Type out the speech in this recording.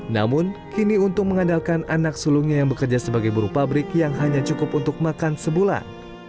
namun kini untung mengandalkan anak sulungnya yang bekerja sebagai buru pabrik yang hanya cukup untuk makan sebulan